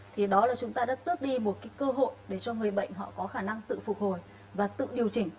thì đó là chúng ta đã tước đi một cơ hội để cho người bệnh họ có khả năng tự phục hồi và tự điều chỉnh